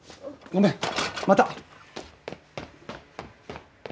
ごめんまた！